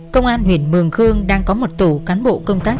công an huyện mường khương đang có một tổ cán bộ công tác